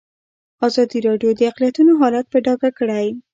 ازادي راډیو د اقلیتونه حالت په ډاګه کړی.